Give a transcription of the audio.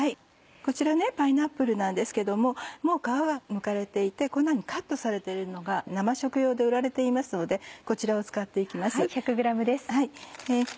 こちらパイナップルなんですけどももう皮がむかれていてこんなふうにカットされてるのが生食用で売られていますのでこちらを使って行きます。